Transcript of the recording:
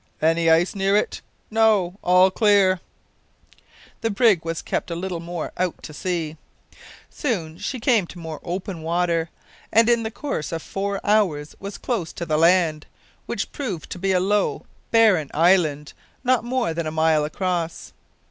"Any ice near it?" "No; all clear." The brig was kept a little more out to sea. Soon she came to more open water, and in the course of four hours was close to the land, which proved to be a low, barren island, not more than a mile across.